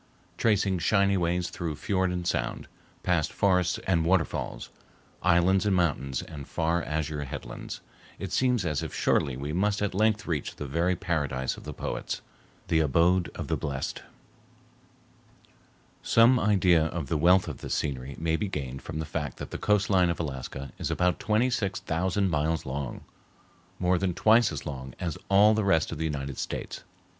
Tracing shining ways through fiord and sound, past forests and waterfalls, islands and mountains and far azure headlands, it seems as if surely we must at length reach the very paradise of the poets, the abode of the blessed. [Illustration: Hanging Valley and Waterfall, Fraser Ranch.] Some idea of the wealth of this scenery may be gained from the fact that the coast line of Alaska is about twenty six thousand miles long, more than twice as long as all the rest of the United States.